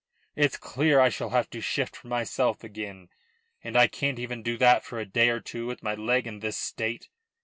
It's clear I shall have to shift for myself again, and I can't even do that for a day or two with my leg in this state.